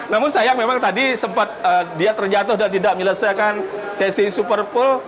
namun sayang memang tadi sempat dia terjatuh dan tidak menyelesaikan sesi super pool